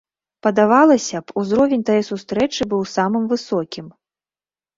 Падавалася б, узровень тае сустрэчы быў самым высокім.